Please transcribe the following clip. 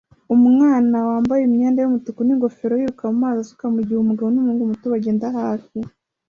Umwana wambaye imyenda yumutuku ningofero yiruka mumazi asuka mugihe umugabo numuhungu muto bagenda hafi